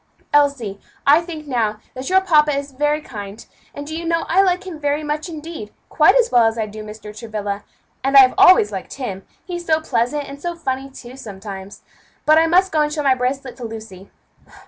"Elsie, I think now that your papa is very kind; and do you know I like him very much, indeed; quite as well as I do Mr. Travilla, and I always liked him he's so pleasant, and so funny, too, sometimes. But I must go and show my bracelet to Lucy.